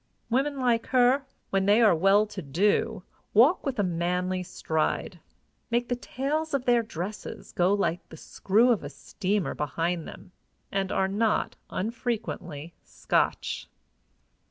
Women like her, when they are well to do, walk with a manly stride, make the tails of their dresses go like the screw of a steamer behind them, and are not unfrequently Scotch.